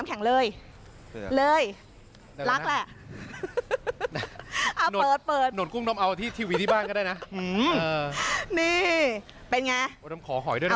ขอบคุณมาก